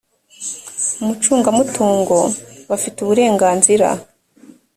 umucungamutungo bafite uburenganzira